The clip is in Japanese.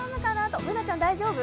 Ｂｏｏｎａちゃん大丈夫？